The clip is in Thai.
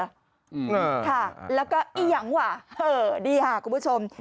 เหรอค่ะแล้วก็อียังว่ะนี่ค่ะคุณผู้ชม